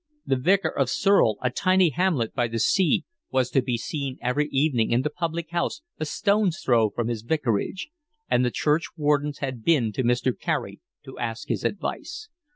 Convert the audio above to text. The Vicar of Surle, a tiny hamlet by the sea, was to be seen every evening in the public house a stone's throw from his vicarage; and the churchwardens had been to Mr. Carey to ask his advice.